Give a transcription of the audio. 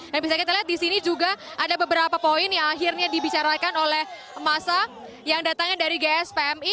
dan bisa kita lihat di sini juga ada beberapa poin yang akhirnya dibicarakan oleh masa yang datangnya dari kspmi